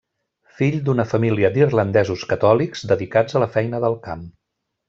Fill d'una família d'irlandesos catòlics dedicats a la feina del camp.